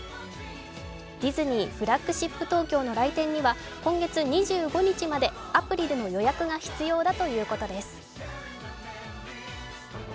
ディズニーフラッグシップ東京の来店には今月２５日までアプリでの予約が必要だということです。